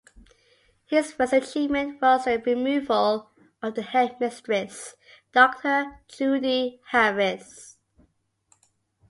His first achievement was the removal of the HeadMistress Doctor Judy Harris.